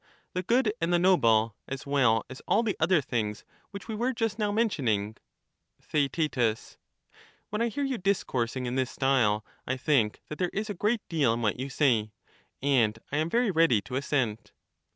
— the good and the noble, as well as all the other things which we were just now mentioning ? TheaeU When I hear you discoursing in this style, I think that there is a great deal in what you say, and I am very ready to assent.